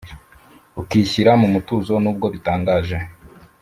Ukishyira mu mutuzo N’ubwo bitangaje!